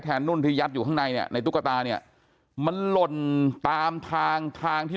นุ่นที่ยัดอยู่ข้างในเนี่ยในตุ๊กตาเนี่ยมันหล่นตามทางทางที่